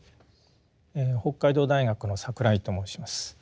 北海道大学の櫻井と申します。